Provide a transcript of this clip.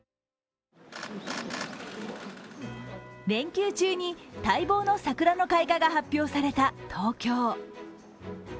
連休中に待望の桜の開花が発表された東京。